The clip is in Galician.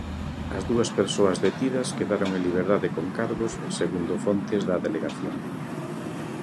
As dúas persoas detidas quedaron en liberdade con cargos, segundo fontes da Delegación.